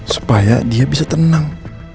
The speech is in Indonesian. supaya dia bisa tenang